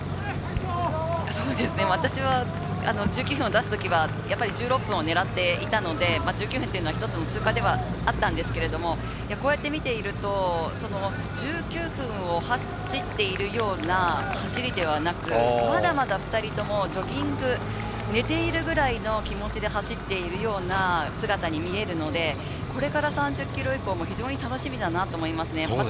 私は１９分を出す時は１６分を狙っていたので、１９分は一つの通過点ではあったんですが、こうして見ていると１９分を走っているような走りではなく、まだまだ２人ともジョギング、寝ているぐらいの気持ちで走っているような姿に見えるので、これから３０ｋｍ以降も非常に楽しみだと思いますね。